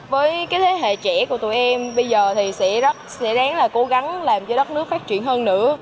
với thế hệ trẻ của tụi em bây giờ thì sẽ đáng là cố gắng làm cho đất nước phát triển hơn nữa